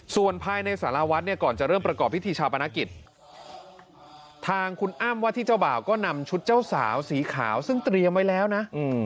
ส่วนภายในสารวัฒน์เนี่ยก่อนจะเริ่มประกอบพิธีชาปนกิจทางคุณอ้ำว่าที่เจ้าบ่าวก็นำชุดเจ้าสาวสีขาวซึ่งเตรียมไว้แล้วนะ